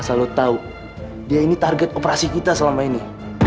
asal lo tau dia ini target operasi kita selama ini